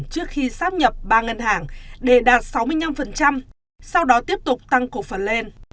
trước khi sắp nhập ba ngân hàng để đạt sáu mươi năm sau đó tiếp tục tăng cổ phần lên